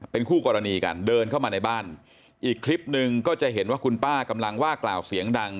เป็นคู่กรณีกันเดินเข้ามาในบ้านอีกคลิปหนึ่งก็จะเห็นว่าคุณป้ากำลังว่ากล่าวเสียงดัง